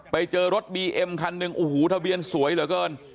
ไปเจอรถบีเอ็มคันหนึ่งโอ้โหทะเบียนสวยเหลือเกิน